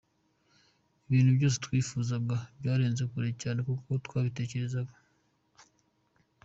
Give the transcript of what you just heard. Ibintu byose twifuzaga byarenze kure cyane uko twabitekerezaga.